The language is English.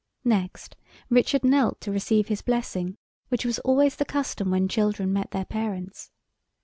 Next, Richard knelt to receive his blessing, which was always the custom when children met their parents.